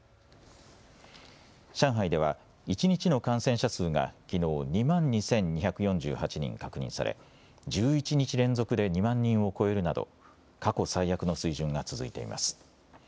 上海では一日の感染者数がきのう、２万２２４８人確認され１１日連続で２万人を超えるなど過去最悪の水準が続いています。